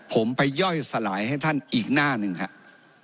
ผมไปย่อยสลายให้ท่านอีกหน้าหนึ่งครับ